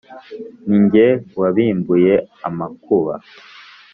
ni jye wabimbuye amakuba